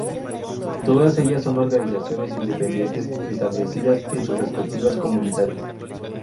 Todas ellas son organizaciones independientes establecidas en sus respectivas comunidades.